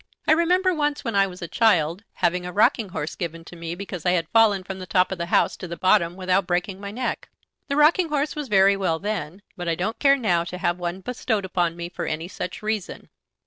I remember once, when I was a child, having a rocking horse given to me because I had fallen from the top of the house to the bottom without breaking my neck. The rocking horse was very well then, but I don't care now to have one bestowed upon me for any such reason."